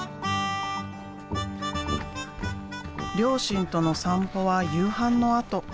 両親との散歩は夕飯のあと。